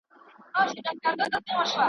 غر غړې د اوښ عادت دئ.